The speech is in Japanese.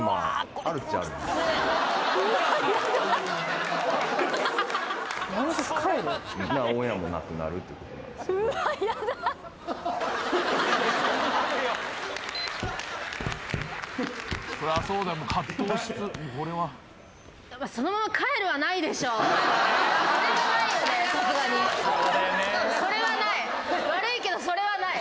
悪いけどそれはない。